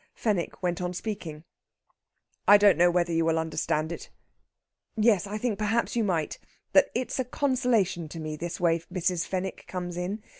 Fenwick went on speaking: "I don't know whether you will understand it yes! I think, perhaps, you might that it's a consolation to me this way Mrs. Fenwick comes in.